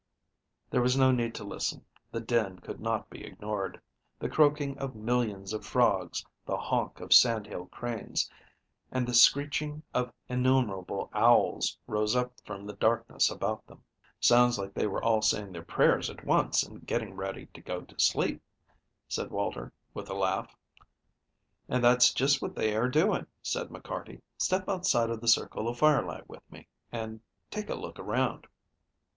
There was no need to listen the din could not be ignored. The croaking of millions of frogs, the honk of sand hill cranes, and the screeching of innumerable owls rose up from the darkness about them. "Sounds like they were all saying their prayers at once and getting ready to go to sleep," said Walter, with a laugh. "And that's just what they are doing," said McCarty. "Step outside of the circle of firelight with me, and take a look around."